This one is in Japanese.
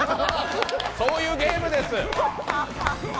そういうゲームです。